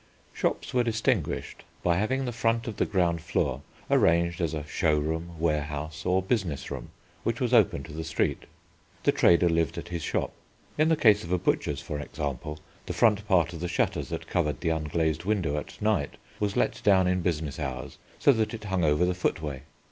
Shops were distinguished by having the front of the ground floor arranged as a show room, warehouse, or business room which was open to the street. The trader lived at his shop. In the case of a butcher's, for example, the front part of the shutters that covered the unglazed window at night, was let down in business hours so that it hung over the footway.